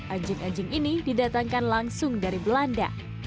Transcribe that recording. anjing anjing ini didatangkan langsung dari belanda